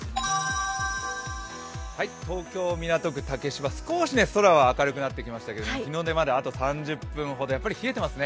東京・港区竹芝、空は少し明るくなってきましたが、日の出まであと３０分ほど、やっぱり冷えてますね。